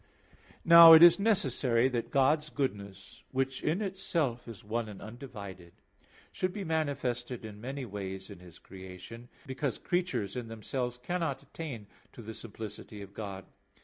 Now it is necessary that God's goodness, which in itself is one and undivided, should be manifested in many ways in His creation; because creatures in themselves cannot attain to the simplicity of God.